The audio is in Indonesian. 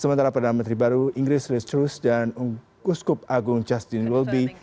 sementara perdana menteri baru inggris lestrus dan kuskup agung justin welby